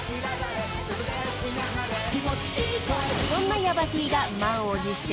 ［そんなヤバＴが満を持して］